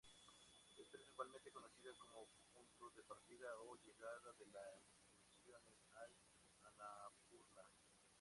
Es principalmente conocida como punto de partida o llegada de las excursiones al Annapurna.